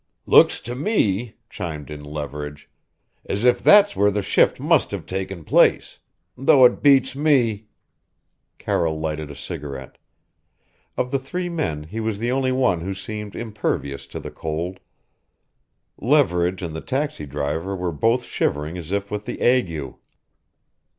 "Looks to me," chimed in Leverage, "as if that's where the shift must have taken place; though it beats me " Carroll lighted a cigarette. Of the three men, he was the only one who seemed impervious to the cold. Leverage and the taxi driver were both shivering as if with the ague.